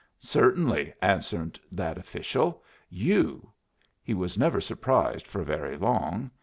"Certainly," answered that official. "You." He was never surprised for very long.